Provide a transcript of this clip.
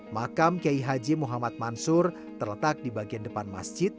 makam kiai haji muhammad mansur terletak di bagian depan masjid